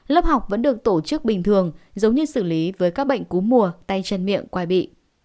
lớp học vẫn được tổ chức bình thường giống như xử lý với các bệnh cú mùa tay chân miệng quay bị